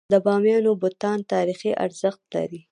د بامیانو بتان تاریخي ارزښت لري.